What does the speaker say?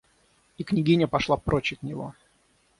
И княгиня пошла прочь от него.